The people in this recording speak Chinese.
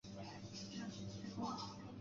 玛氏还是一个家庭企业。